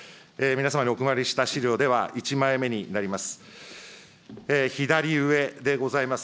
皆様にお配りした資料では、１枚目になります。